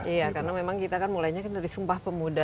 iya karena memang kita mulainya dari sumpah pemuda